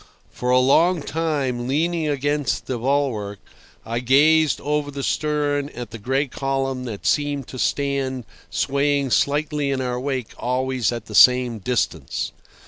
For a long time, leaning against the bulwark, I gazed over the stern at the gray column that seemed to stand swaying slightly in our wake always at the same distance.